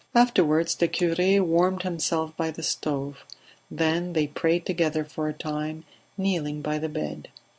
Afterwards the cure warmed himself by the stove; then they prayed together for a time, kneeling by the bed.